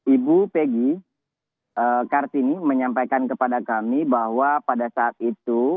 ibu peggy kartini menyampaikan kepada kami bahwa pada saat itu